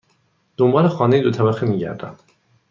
دنبال خانه دو طبقه می گردم.